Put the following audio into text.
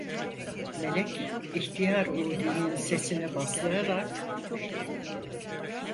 Melek ihtiyar udinin sesini bastırarak…